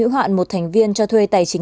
hữu hạn một thành viên cho thuê tài chính